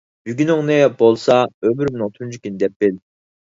بۈگۈنۈڭنى بولسا ئۆمرۈمنىڭ تۇنجى كۈنى دەپ بىل.